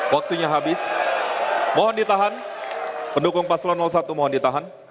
waktunya habis mohon ditahan pendukung paslon satu mohon ditahan